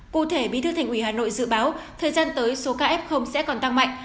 cụ thể bí thư thành ủy hà nội dự báo thời gian tới số ca f sẽ còn tăng mạnh